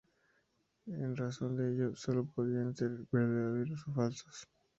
En razón de ello, sólo podían ser verdaderos o falsos.